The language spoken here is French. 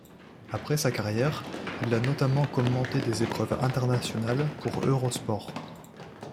Après sa carrière, il a notamment commenté des épreuves internationales pour Eurosport.